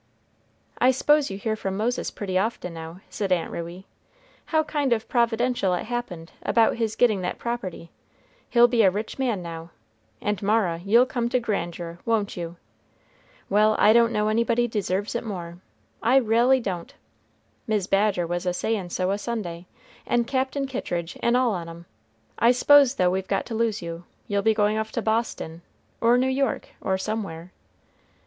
"I s'pose you hear from Moses pretty often now," said Aunt Ruey. "How kind o' providential it happened about his getting that property; he'll be a rich man now; and Mara, you'll come to grandeur, won't you? Well, I don't know anybody deserves it more, I r'ally don't. Mis' Badger was a sayin' so a Sunday, and Cap'n Kittridge and all on 'em. I s'pose though we've got to lose you, you'll be goin' off to Boston, or New York, or somewhere."